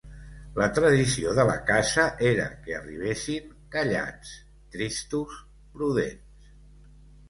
La tradició de la casa era que arribessin, callats, tristos, prudents